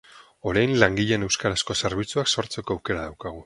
Orain langileen euskarazko zerbitzuak sortzeko aukera daukagu.